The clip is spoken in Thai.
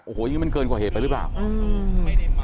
โอ้โหอย่างงี้มันเกินกว่าเหตุไปหรือเปล่าอืม